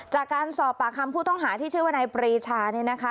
จากการสอบปากคำผู้ต้องหาที่ชื่อว่านายปรีชาเนี่ยนะคะ